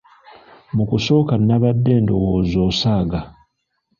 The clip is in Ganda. Mu kusooka nabadde ndowooza osaaga.